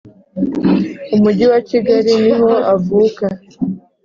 Umujyi wa Kigali niho avuka.